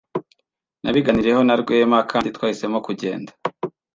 Nabiganiriyeho na Rwema, kandi twahisemo kugenda.